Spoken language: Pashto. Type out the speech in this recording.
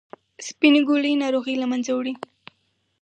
سپینې ګولۍ ناروغي له منځه وړي.